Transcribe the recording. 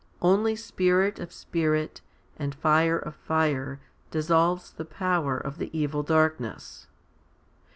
Only spirit of spirit and fire of fire dissolves the power of the evil darkness.